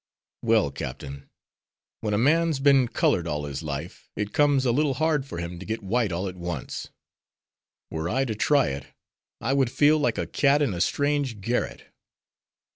"Well, Captain, when a man's been colored all his life it comes a little hard for him to get white all at once. Were I to try it, I would feel like a cat in a strange garret.